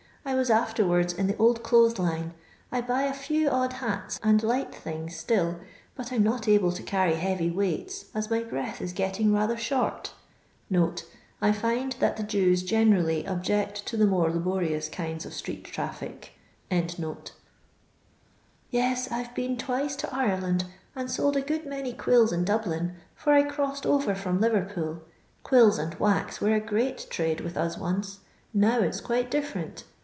I was afterwards in the old clothes line. I bay a few odd hau and light things still, bat I 'm not able to carry heary weights, as my breath is getting rather short" [I find that the Jews generally object to the more laborious kinds of street traffic] Yes, I 'to been twice to Ireland, and sold a good ULiny qniUs in Dublin, fur I crossed over from Liverpool. Quills and wax were a great trade with us once; nntv it's quite different.